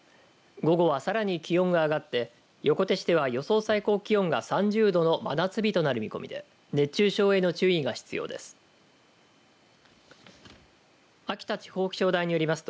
午後は、さらに気温が上がって横手市では予想最高気温が３０度の真夏日となる見込みで熱中症への注意が必要です。